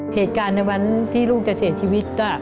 เหตุการณ์ในวันที่ลูกจะเสียชีวิต